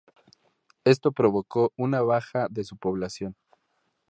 Esto provocó una baja de su población.